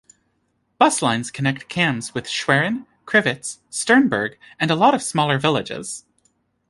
Bus lines connect Cambs with Schwerin, Crivitz, Sternberg and a lot of smaller villages.